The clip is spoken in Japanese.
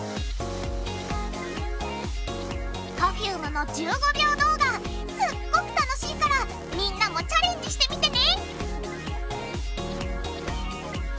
Ｐｅｒｆｕｍｅの１５秒動画すっごく楽しいからみんなもチャレンジしてみてね！